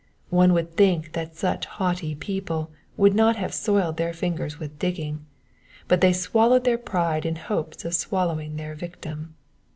One would think that such haughty people would not have soiled their fingers with digging ; but they swallowed their pride in hopes of swal lowing their victim.